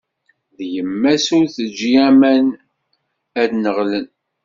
D yemma-s, ur teǧǧi aman ad nneɣlen!